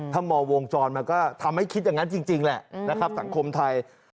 ถ้ามองวงจรมันก็ทำให้คิดอย่างนั้นจริงแหละนะครับสังคมไทย